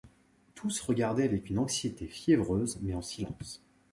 Tous regardaient avec une anxiété fiévreuse, mais en silence.